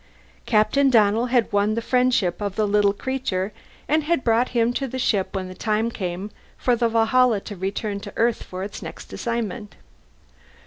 Captain Donnell had won the friendship of the little creature and had brought him back to the ship when time came for the Valhalla to return to Earth for its next assignment.